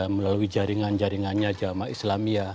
melalui jaringan jaringannya jamaah islamiyah